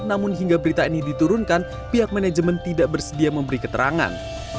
namun hingga berita ini diturunkan pihak manajemen tidak bersedia memberi keterangan